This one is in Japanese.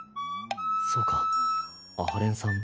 そうか阿波連さん